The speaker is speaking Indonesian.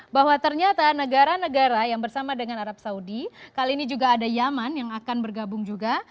bahwa ternyata negara negara yang bersama dengan arab saudi kali ini juga ada yaman yang akan bergabung juga